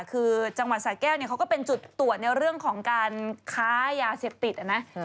คือจังหวัดสาแก้วเนี่ยเขาก็เป็นจุดตรวจในเรื่องของการค้ายาเสพติดนะ